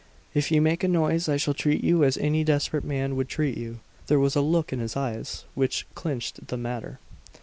If you make a noise, I shall treat you as any desperate man would treat you!" There was a look in his eyes which clinched the matter.